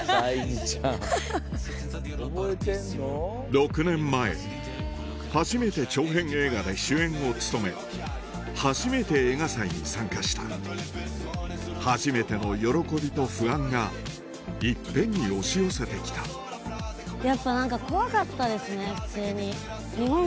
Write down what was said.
６年前初めて長編映画で主演を務め初めて映画祭に参加した初めての喜びと不安が一遍に押し寄せてきたやっぱ何か。